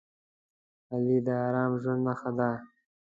غلی، د ارام ژوند نښه ده.